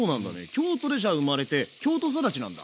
京都でじゃあ生まれて京都育ち。